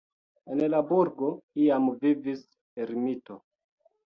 En la burgo iam vivis ermito.